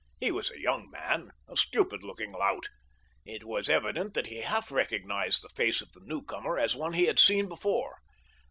He was a young man—a stupid looking lout. It was evident that he half recognized the face of the newcomer as one he had seen before.